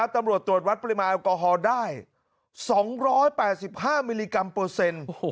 ตรวจวัดปริมาณแอลกอฮอล์ได้๒๘๕มิลลิกรัมเปอร์เซ็นต์